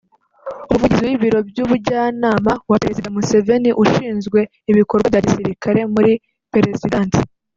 umuvugizi w’ibiro by’umujyanama wa Perezida Museveni ushinzwe ibikorwa bya gisirikare muri Perezidansi